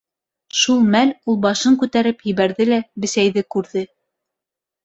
Шул мәл ул башын күтәреп ебәрҙе лә Бесәйҙе күрҙе.